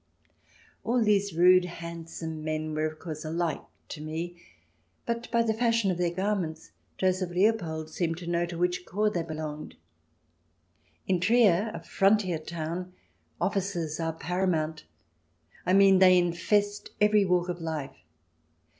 All these rude handsome men were, of course, alike to me, but by the fashion of their garments Joseph Leopold seemed to know to which corps they belonged. In Trier, a frontier town, officers are paramount; I mean they infest every walk of life.